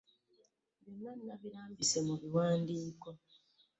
Byonna nabirambise mu biwandiiko.